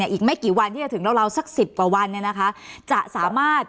อีกไม่กี่วันที่จะถึงราวสัก๑๐กว่าวันจะสามารถ